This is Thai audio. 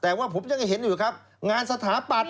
แต่ว่าผมยังเห็นอยู่ครับงานสถาปัตย